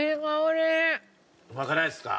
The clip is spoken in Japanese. うまくないですか？